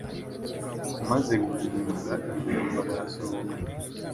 Amaze guhindura imyambaro arasohoka